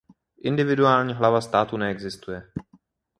Individuální hlava státu neexistuje.